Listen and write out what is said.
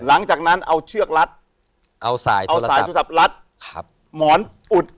หลังจากนั้นเอาเชือกรัดเอาใส่เอาสายโทรศัพท์รัดหมอนอุด